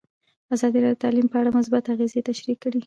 ازادي راډیو د تعلیم په اړه مثبت اغېزې تشریح کړي.